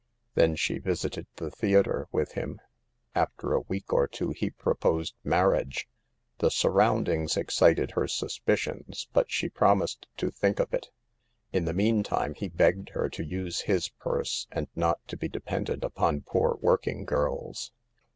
Then she visited the theater with him. After a week or two he proposed marriage. The surroundings excited her suspicions, but she promised to think of it. In the meantime, he begged her to use his purse, and not to be dependent upon poor working girls.